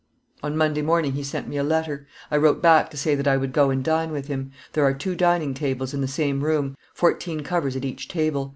On Monday morning he sent me a letter; I wrote back to say that I would go and dine with him. There are two dining tables in the same room; fourteen covers at each table.